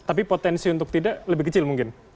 tapi potensi untuk tidak lebih kecil mungkin